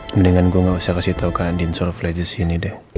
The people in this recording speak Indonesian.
mendingan gue gak usah kasih tau kan